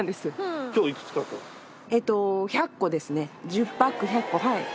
１０パック１００個。